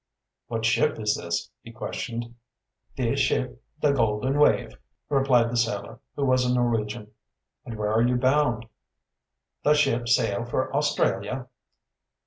"What ship is this?" he questioned. "Dis ship da Golden Wave," replied the sailor, who was a Norwegian. "And where are you bound?" "Da ship sail for Australia."